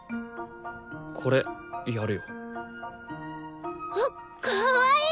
これやるよ。わっかわいい！